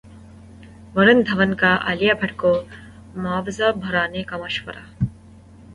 ورن دھون کا عالیہ بھٹ کو معاوضہ بڑھانے کا مشورہ